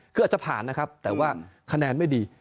คืออาจจะผ่านนะครับแต่ว่าคะแนนไม่ดี